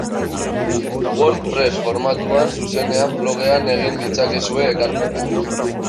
WordPress formatuan zuzenean blogean egin ditzakezue ekarpenak.